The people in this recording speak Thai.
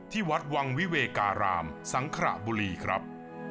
ที่วัดวังวิเวการามสังขระบุรีครับ